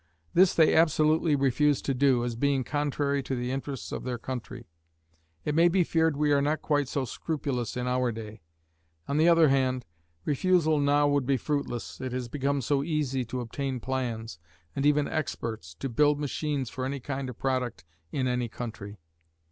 This they absolutely refused to do, as being contrary to the interests of their country. It may be feared we are not quite so scrupulous in our day. On the other hand, refusal now would be fruitless, it has become so easy to obtain plans, and even experts, to build machines for any kind of product in any country.